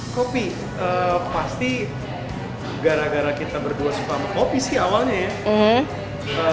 kopi pasti gara gara kita berdua suka sama kopi sih awalnya ya